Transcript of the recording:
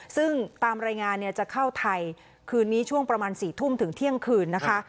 ซึ่งตามรายงานจะเข้าไทยคืนนี้ช่วงประมาณ๔ทุ่มถึงเที่ยงคืนนะคะ